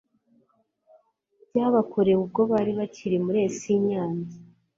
byabakorewe ubwo bari bakiri muri es nyange